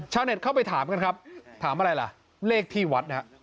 เน็ตเข้าไปถามกันครับถามอะไรล่ะเลขที่วัดนะฮะ